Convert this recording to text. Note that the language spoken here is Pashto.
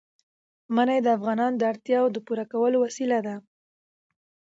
منی د افغانانو د اړتیاوو د پوره کولو وسیله ده.